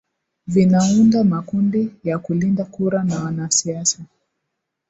vinaunda makundi ya kulinda kura na wanasiasa